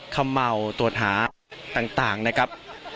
เขม่าตรวจหาต่างนะครับ